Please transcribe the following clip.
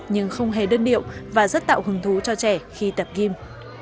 nhưng không hề đơn điệu và rất tạo hứng thú cho trẻ khi tập kim